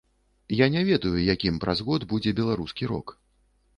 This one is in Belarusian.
Я не ведаю, якім праз год будзе беларускі рок.